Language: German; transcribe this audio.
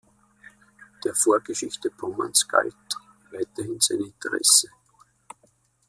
Der Vorgeschichte Pommerns galt weiterhin sein Interesse.